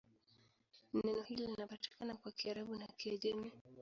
Neno hili linapatikana kwa Kiarabu na Kiajemi.